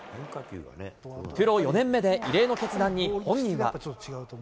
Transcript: プロ４年目で異例の決断に、本人は。